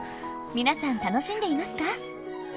皆さん楽しんでいますか？